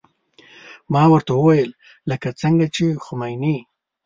ما ورته وويل لکه څنګه چې خميني.